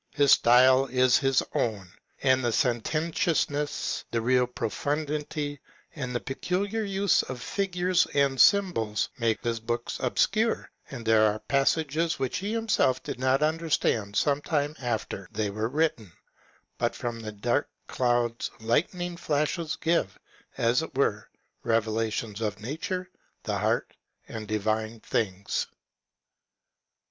His style is his own ; and the sententiousness, the real profundity, and the peculiar use of figures and symbols, make his books obscure, and there are passages which he himself did not understand some time after they were written ;() but from the dark clouds lightning flashes give, as it were, revelations of nature, the heart, and divine things.